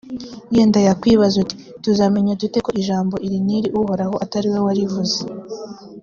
yenda wakwibaza uti «tuzamenya dute ko ijambo iri n’iri uhoraho atari we warivuze?»